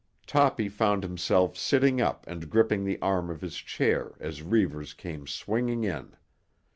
Toppy found himself sitting up and gripping the arms of his chair as Reivers came swinging in.